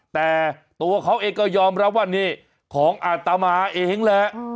แต่ตัวเขาเองก็ยอมรับว่านี่ของอาตมาเองแหละ